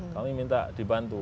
kami minta dibantu